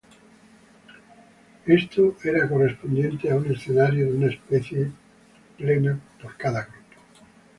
Esto era correspondiente a un escenario de una especie plena por cada grupo.